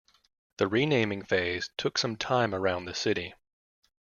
The renaming phase took some time around the city.